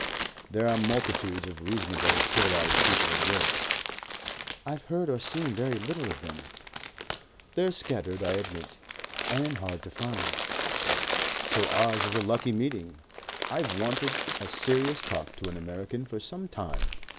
"There are multitudes of reasonable, civilized people in Europe." "I've heard or seen very little of them. "They're scattered, I admit." "And hard to find." "So ours is a lucky meeting. I've wanted a serious talk to an American for some time.